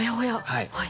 はい。